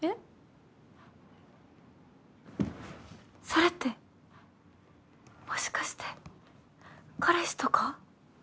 それってもしかして彼氏とか？